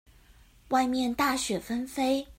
外面大雪紛飛